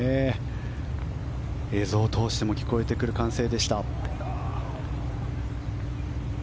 映像を通しても聞こえてくる歓声でした。